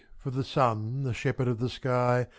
for the sun, the shepherd of the sky.